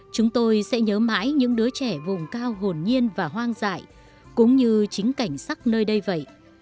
chúng tôi sẽ nhớ mãi những đứa trẻ vùng cao hồn nhiên và hoang dại cũng như chính cảnh sắc nơi đây vậy